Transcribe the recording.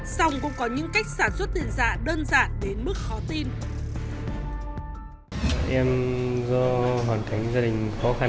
xong cũng có những cách sản xuất tiền giả đơn giản đến mức khó tin